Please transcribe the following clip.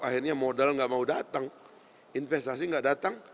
akhirnya modal enggak mau datang investasi enggak datang